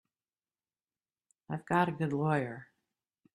I've got a good lawyer.